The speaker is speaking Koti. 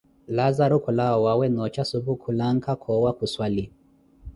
Laazaru khulawa owawe, noocha supu, khu lanka koowa khu swali.